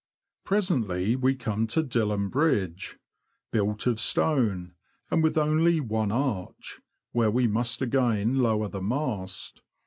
Presently we come to Dilham Bridge — built of stone, and with only one arch — where we must again lower the mast.